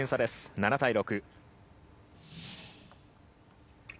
７対６。